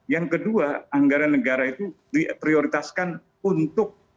yang kedua anggaran negara itu diprioritaskan untuk